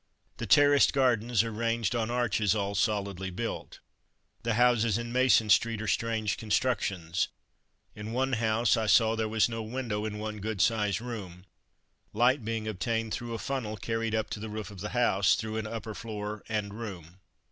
The terraced gardens are ranged on arches all solidly built. The houses in Mason street are strange constructions. In one house I saw there was no window in one good sized room, light being obtained through a funnel carried up to the roof of the house through an upper floor and room.